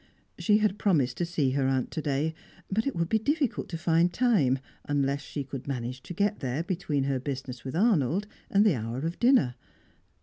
She had promised to see her aunt to day, but it would be difficult to find time, unless she could manage to get there between her business with Arnold and the hour of dinner.